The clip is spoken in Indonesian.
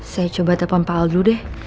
saya coba telfon pak al dulu deh